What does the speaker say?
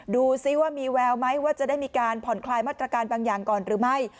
ดูซิว่ามีแววไหมว่าจะได้มีการผ่อนคลายมาตรการบางอย่างก่อนหรือไม่